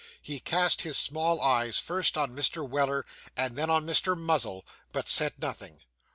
He cast his small eyes, first on Mr. Weller, and then on Mr. Muzzle, but said nothing.